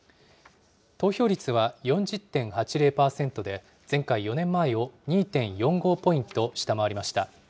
投票率は４０．８０％で、前回・４年前を２．４５ポイント下回りました。